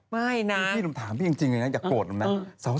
ไม่นะพี่ทำถามพี่จริงอย่ากลดหน่อยนะ